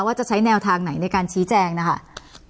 ว่าจะใช้แนวทางไหนในการชี้แจงนะคะ